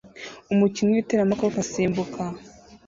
umukinyi w'iteramakofe asimbuka